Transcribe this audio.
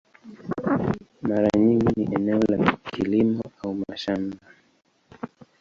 Mara nyingi ni eneo la kilimo au mashamba.